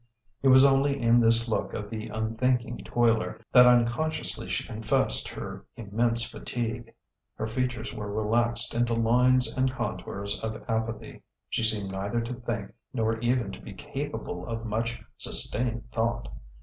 It was only in this look of the unthinking toiler that unconsciously she confessed her immense fatigue. Her features were relaxed into lines and contours of apathy. She seemed neither to think nor even to be capable of much sustained thought.